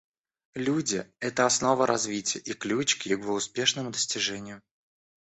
Люди — это основа развития и ключ к его успешному достижению.